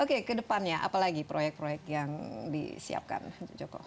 oke kedepannya apa lagi proyek proyek yang disiapkan joko